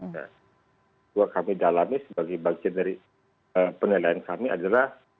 yang kami dalami sebagai bagian dari penilaian kami adalah